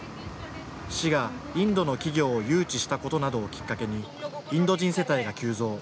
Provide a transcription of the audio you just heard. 市が、インドの企業を誘致したことなどをきっかけにインド人世帯が急増。